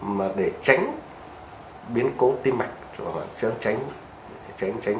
mà để tránh biến cố tim mạch